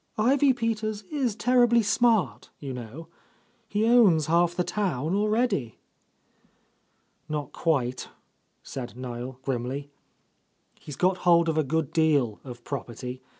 Ivy Peters is terribly smart, you know. He owns half the town already." "Not quite," said Niel grimly. "He's got hold of a good deal of property.